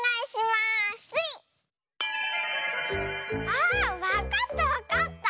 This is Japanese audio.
あわかったわかった！